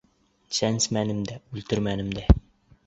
— Сәнсмәнем дә, үлтермәнем дә.